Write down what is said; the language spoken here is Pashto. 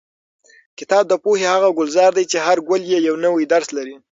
کتاب د پوهې هغه ګلزار دی چې هر ګل یې یو نوی درس لري.